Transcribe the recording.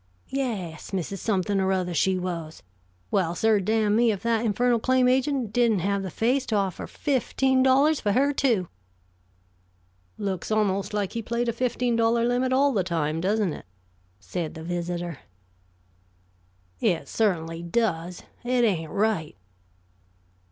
"Yes, Mrs. Something or other, she was. Well, sir, damn me, if that infernal claim agent didn't have the face to offer fifteen dollars for her, too." "Looks almost like he played a fifteen dollar limit all the time, doesn't it?" said the visitor. "It certainly does. It ain't right."